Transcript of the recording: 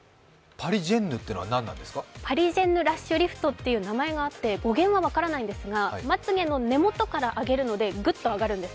パリジェンヌアイラッシュリフトというものがあって語源は分からないんですが、まつげの根元から上げるので、グッと上がるんです。